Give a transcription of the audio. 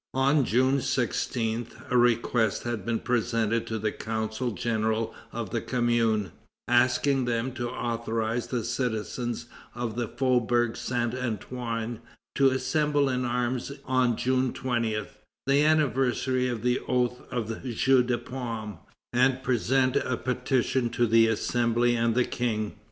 On June 16, a request had been presented to the Council General of the Commune, asking them to authorize the citizens of the Faubourg Saint Antoine to assemble in arms on June 20, the anniversary of the oath of the Jeu de Paume, and present a petition to the Assembly and the King.